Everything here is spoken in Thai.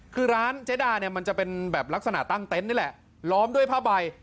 คือร้านเจ๊ดาเนี่ยมันจะเป็นแบบลักษณะตั้งเต็นต์นี่แหละล้อมด้วยผ้าใบ